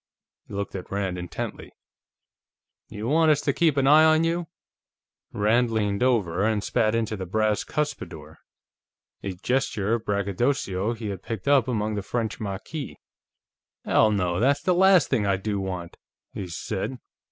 He looked at Rand intently. "You want us to keep an eye on you?" Rand leaned over and spat into the brass cuspidor, a gesture of braggadocio he had picked up among the French maquis. "Hell, no! That's the last thing I do want!" he said.